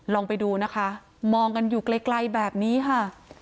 ลองไปดูนะคะมองกันอยู่ไกลแบบนี้ค่ะ